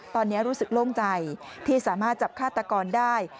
ตอนนี้รู้สึกโล่งใจที่สามารถจับฆาตกรได้